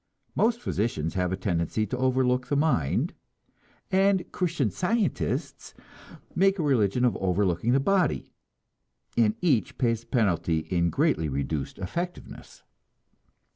Most physicians have a tendency to overlook the mind, and Christian Scientists make a religion of overlooking the body, and each pays the penalty in greatly reduced effectiveness.